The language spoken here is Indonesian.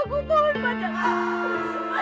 aku mohon bantah aku semua